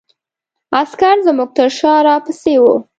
عسکر زموږ تر شا را پسې وو.